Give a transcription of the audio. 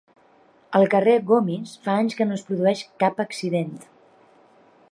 Al carrer Gomis fa anys que no es produeix cap accident.